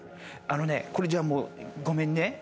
あのねこれじゃあごめんね。